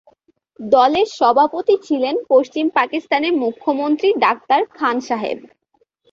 দলের সভাপতি ছিলেন পশ্চিম পাকিস্তানের মুখ্যমন্ত্রী ডাক্তার খান সাহেব।